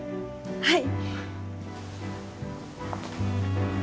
はい！